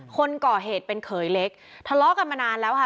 คนก่อเหตุเป็นเขยเล็กทะเลาะกันมานานแล้วค่ะ